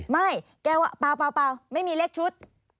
ไม่แกว่าเปล่าไม่มีเลขชุด